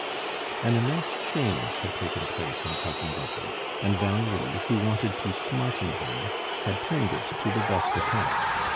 An immense change had taken place in Cousin Betty; and Valerie, who wanted to smarten her, had turned it to the best account.